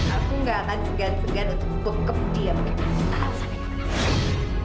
aku gak akan segan segan untuk bekap diam kayak ini setara sampai gak kenapa